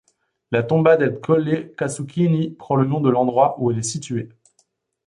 La tomba del Colle Casuccini prend le nom de l'endroit où elle est située.